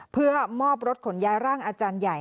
เพื่อมอบรถขนย้ายร่างอาจารย์ใหญ่